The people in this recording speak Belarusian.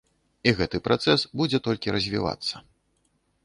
І гэты працэс будзе толькі развівацца.